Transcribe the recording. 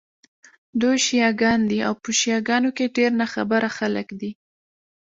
دوی شیعه ګان دي، خو په شیعه ګانو کې ډېر ناخبره خلک دي.